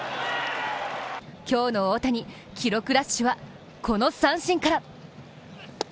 今日の大谷、記録ラッシュはこの三振から。